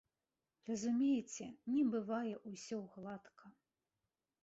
Разумееце, не бывае ўсё гладка.